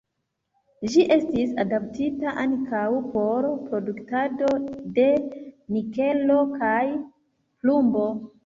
Ĝi estis adaptita ankaŭ por produktado de nikelo kaj plumbo.